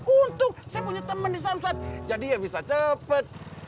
untung saya punya teman di samsat jadi ya bisa cepat